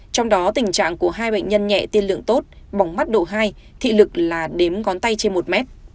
trong đó tình trạng của hai bệnh nhân nhẹ tiên lượng tốt bỏng mắt độ hai thị lực là đếm ngón tay trên một mét